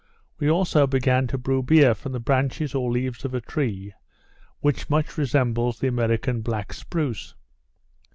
We also began to brew beer from the branches or leaves of a tree, which much resembles the American black spruce.